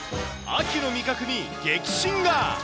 秋の味覚に激震が。